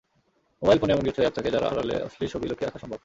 Mobile ফোনে এমন কিছু অ্যাপ থাকে যার আড়ালে অশ্লীল ছবি লুকিয়ে রাখা সম্ভব।